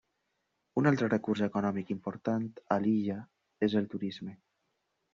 Un altre recurs econòmic important a l'illa és el turisme.